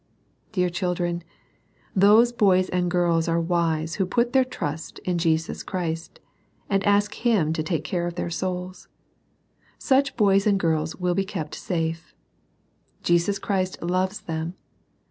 Dear children, those boys and girls are wise who put their trust in Jesus Christ, and ask Him to take care of their souls. Such boys and girls will be kept safe. Jesus Christ loves them.